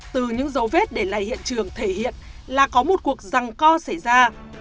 từ những dấu vết để lại hiện trường thể hiện là có một cuộc răng co xảy ra